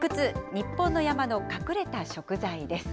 日本の山の隠れた食材です。